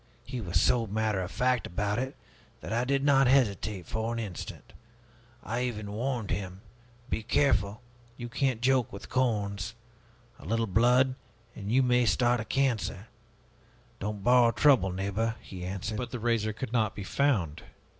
He was so matter of fact about it that I did not hesitate for an instant. I even warned him, 'Be careful! you can't joke with corns! A little blood, and you may start a cancer!' 'Don't borrow trouble, neighbor,' he answered." "But the razor could not be found.